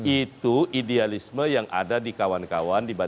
itu idealisme yang ada di kawan kawan di badan legislasi untuk berhubungan